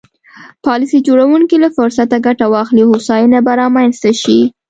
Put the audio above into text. پالیسي جوړوونکي له فرصته ګټه واخلي هوساینه به رامنځته شي.